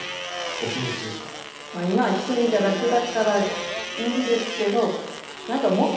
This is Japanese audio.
今はひとりが楽だからいいんですけど何かもっと。